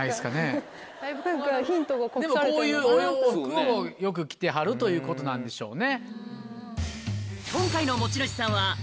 でもこういうお洋服をよく着てはるということなんでしょうね。